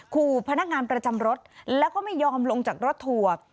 ขู่พนักงานประจำรถแล้วก็ไม่ยอมลงจากรถทัวร์